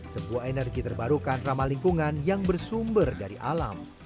sebuah energi terbarukan ramah lingkungan yang bersumber dari alam